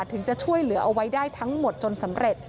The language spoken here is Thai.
ถึงจะช่วยเหลือเอาไว้ได้ทั้งหมดจนสำเร็จ